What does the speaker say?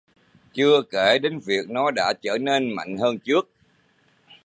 Chưa kể đến việc nó đã trở nên mạnh hơn trước